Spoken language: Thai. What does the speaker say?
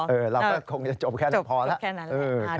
เออเราก็คงจะจบแค่นั้นพอละโอ้หึจบแค่นั้น